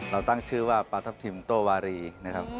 เราตั้งชื่อว่าปลาทัพทิมโต้วารีนะครับ